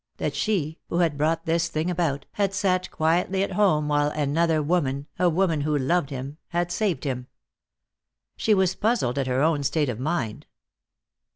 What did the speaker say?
That she, who had brought this thing about, had sat quietly at home while another woman, a woman who loved him, had saved him. She was puzzled at her own state of mind.